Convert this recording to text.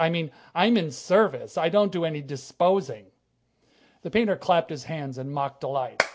I mean, I'm in service. I don't do any disposing." The painter clapped his hands in mock delight.